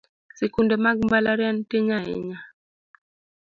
Sikunde mag mbalariany tin ahinya